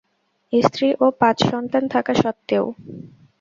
স্ত্রী ও পাঁচ সন্তান থাকা সত্ত্বেও?